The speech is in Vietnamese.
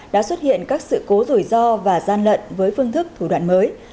đã xuất hiện các sự cố rủi ro và gian lận với phương thức thủ đoạn mới